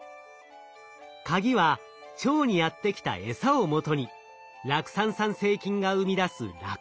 カギは腸にやって来たエサをもとに酪酸産生菌が生み出す酪酸。